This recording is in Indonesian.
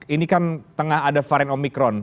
ini kan tengah ada varian omikron